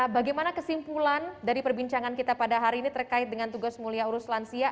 bagaimana kesimpulan dari perbincangan kita pada hari ini terkait dengan tugas mulia urus lansia